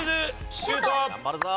シュート！